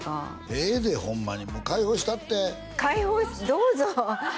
ええでホンマに解放したって解放どうぞ！